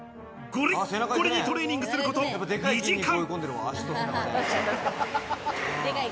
ゴリゴリにトレーニングすること２時間。